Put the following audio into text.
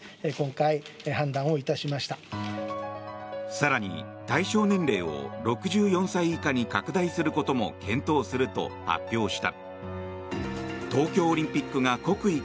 更に、対象年齢を６４歳以下に拡大することも検討すると発表した。